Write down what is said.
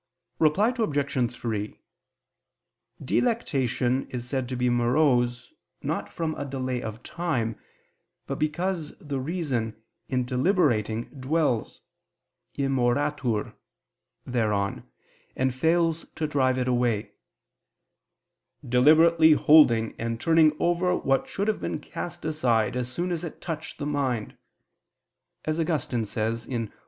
Reply Obj. 3: Delectation is said to be morose not from a delay of time, but because the reason in deliberating dwells (immoratur) thereon, and fails to drive it away, "deliberately holding and turning over what should have been cast aside as soon as it touched the mind," as Augustine says (De Trin.